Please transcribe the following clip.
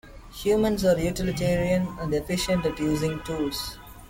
Humans are utilitarian and efficient at using tools.